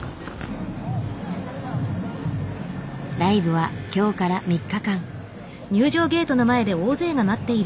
ライブは今日から３日間。